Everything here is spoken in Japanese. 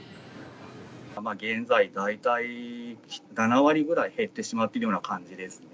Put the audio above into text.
現在、大体７割ぐらい減ってしまっているような感じですね。